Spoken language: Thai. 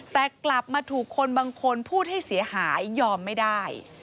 แต่กลับมาถูกคนบางคนพูดให้เสียหายยอมไม่ได้